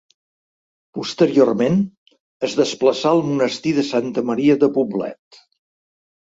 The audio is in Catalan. Posteriorment, es desplaçà al monestir de Santa Maria de Poblet.